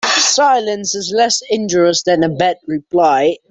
Silence is less injurious than a bad reply.